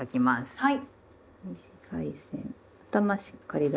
はい。